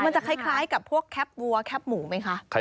มันจะคล้ายกับพวกแคปวัวแคบหมูไหมคะ